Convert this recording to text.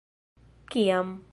Kiam?